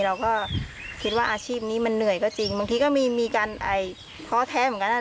เราก็คิดว่าอาชีพนี้มันเหนื่อยก็จริงบางทีก็มีการท้อแท้เหมือนกันนะ